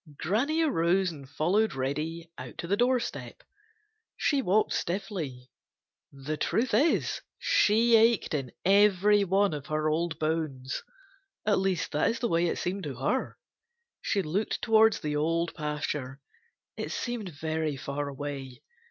Granny arose and followed Reddy out to the doorstep. She walked stiffly. The truth is, she ached in every one of her old bones. At least, that is the way it seemed to her. She looked towards the Old Pasture. It seemed very far away.